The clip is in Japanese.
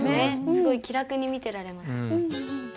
すごい気楽に見てられます。